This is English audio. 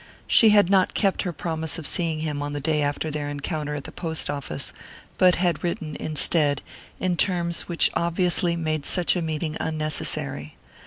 She had not kept her promise of seeing him on the day after their encounter at the post office, but had written, instead, in terms which obviously made such a meeting unnecessary.